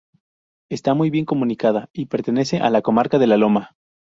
Está muy bien comunicada y pertenece a la comarca de La Loma.